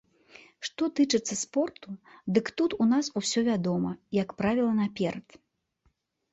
Што тычыцца спорту, дык тут у нас усё вядома, як правіла, наперад.